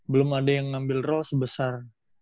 belum ada yang ngambil roll sebesar